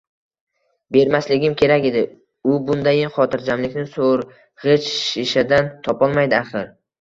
Bermasligim kerak edi, u bundayin xotirjamlikni so`rg`ich shishadan topolmaydi, axir